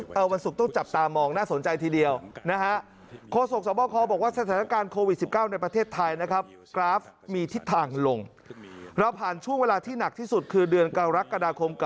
เขาจะต่อไหมอะไรไหม